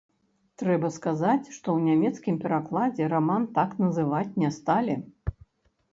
Трэба сказаць, што ў нямецкім перакладзе раман так называць не сталі.